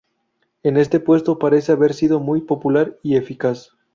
En este puesto parece haber sido muy popular y eficaz.